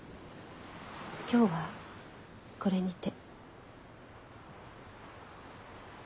今日はこれにて。